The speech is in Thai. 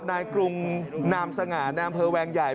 นายกรุงนามเสง่านพย